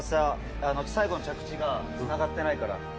最後の着地がつながってないから。